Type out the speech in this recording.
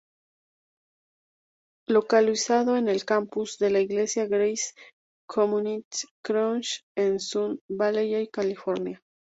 Localizado en el campus de la iglesia Grace Community Church en Sun Valley, California.